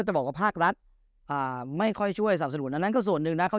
จะบอกว่าภาครัฐไม่ค่อยช่วยสาธุนั้นก็ส่วนหนึ่งนะเข้า